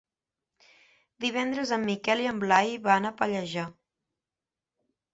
Divendres en Miquel i en Blai van a Pallejà.